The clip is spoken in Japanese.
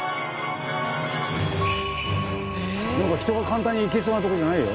なんか人が簡単に行けそうなとこじゃないよ。